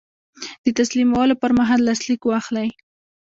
د تسلیمولو پر مهال لاسلیک واخلئ.